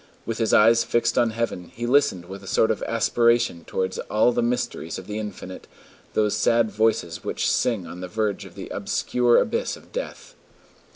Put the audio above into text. With his eyes fixed on heaven, he listened with a sort of aspiration towards all the mysteries of the infinite, those sad voices which sing on the verge of the obscure abyss of death.